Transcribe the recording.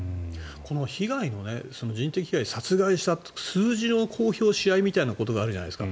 被害の、人的被害殺害したと数字の公表し合いみたいなことがあるじゃないですか。